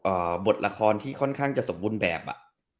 บทละครที่ค่อนข้างจะสมบูรณ์แบบอ่ะ